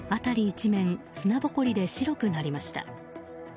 一面砂ぼこりで白くなりました。